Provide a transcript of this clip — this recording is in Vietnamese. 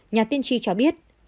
nhà tiên tri cho biết